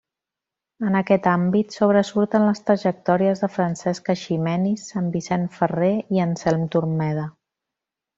En aquest àmbit, sobresurten les trajectòries de Francesc Eiximenis, Sant Vicent Ferrer i Anselm Turmeda.